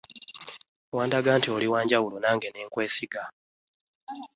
Wandaga nti oli wa njawulo nange ne nkwesiga.